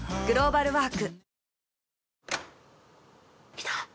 来た！